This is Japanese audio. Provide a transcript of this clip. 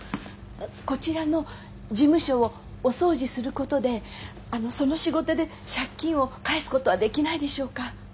こちらの事務所をお掃除することであのその仕事で借金を返すことはできないでしょうか。